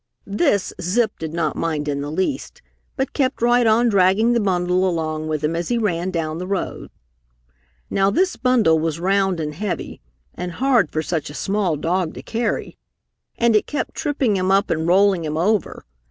This Zip did not mind in the least, but kept right on dragging the bundle along with him as he ran down the road. Now this bundle was round and heavy, and hard for such a small dog to carry, and it kept tripping him up and rolling him over.